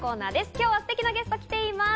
今日はすてきなゲストが来ています。